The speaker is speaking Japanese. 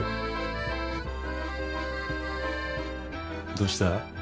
どうした？